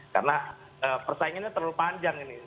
karena persaingannya terlalu panjang ini